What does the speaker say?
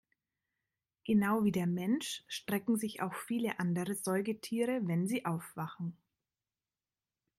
Genau wie der Mensch strecken sich auch viele andere Säugetiere, wenn sie aufwachen.